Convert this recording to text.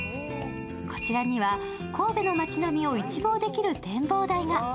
こちらには神戸の街並みを一望できる展望台が。